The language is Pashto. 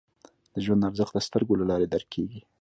د ژوند ارزښت د سترګو له لارې درک کېږي